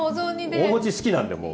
お餅好きなんでもう。